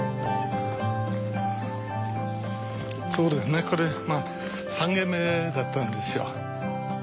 そうですねこれまあ３軒目だったんですよ。